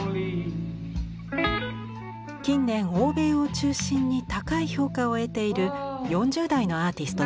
近年欧米を中心に高い評価を得ている４０代のアーティストです。